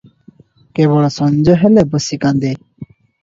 କେବଳ ସଞ୍ଜ ହେଲେ ବସି କାନ୍ଦେ ।